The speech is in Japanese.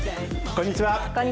こんにちは。